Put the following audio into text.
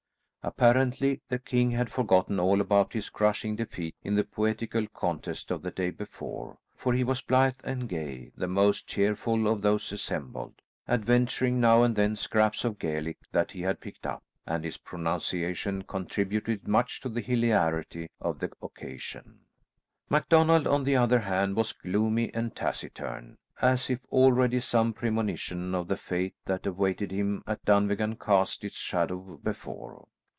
Apparently the king had forgotten all about his crushing defeat in the poetical contest of the day before, for he was blithe and gay, the most cheerful of those assembled, adventuring now and then scraps of Gaelic that he had picked up, and his pronunciation contributed much to the hilarity of the occasion. MacDonald, on the other hand, was gloomy and taciturn, as if already some premonition of the fate that awaited him at Dunvegan cast its shadow before.